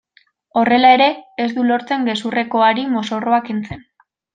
Horrela ere ez du lortzen gezurrezkoari mozorroa kentzea.